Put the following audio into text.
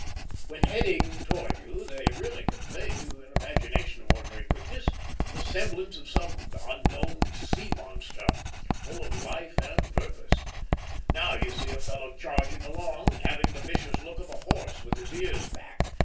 When heading towards you, they really convey to an imagination of ordinary quickness the semblance of some unknown sea monster, full of life and purpose. Now you see a fellow charging along, having the vicious look of a horse with his ears back.